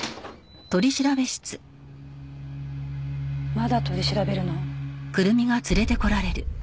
まだ取り調べるの？